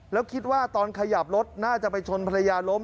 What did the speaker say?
แล้วคิดว่าตอนขยับรถน่าจะไปชนภรรยาล้ม